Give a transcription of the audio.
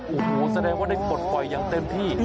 โอ้โหแสดงว่าได้ปลดปล่อยอย่างเต็มที่